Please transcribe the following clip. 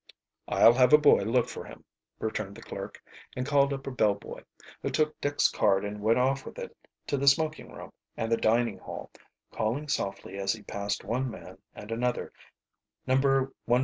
"I'll have a boy look for him," returned the clerk, and called up a bell boy, who took Dick's card and went off with it to the smoking room and the dining hall, calling softly as he passed one man and another, "Number 144!